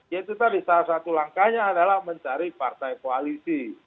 ya itu tadi salah satu langkahnya adalah mencari partai koalisi